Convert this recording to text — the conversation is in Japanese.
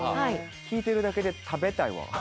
聞いてるだけで食べたいわ。